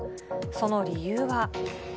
その理由は。